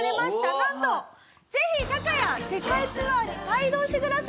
なんとぜひタカヤ世界ツアーに帯同してください！